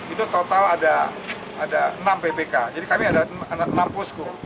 itu total ada enam ppk jadi kami ada enam posko